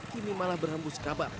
kini malah berhambus kabar